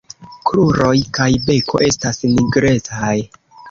Kruroj kaj beko estas nigrecaj.